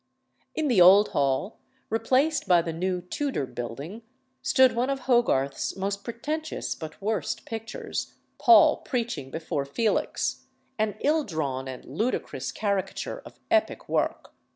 In the old hall, replaced by the new Tudor building, stood one of Hogarth's most pretentious but worst pictures, "Paul preaching before Felix," an ill drawn and ludicrous caricature of epic work.